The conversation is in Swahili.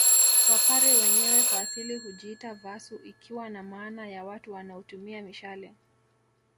Wapare wenyewe kwa asili hujiita Vaasu ikiwa na maana ya watu wanaotumia mishale